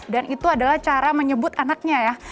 dan itu adalah cara menyebut anaknya ya